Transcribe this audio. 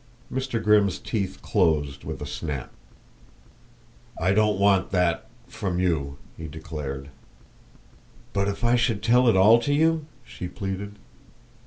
Mr. Grimm's teeth closed with a snap. "I don't want that from you," he declared. "But if I should tell it all to you?" she pleaded.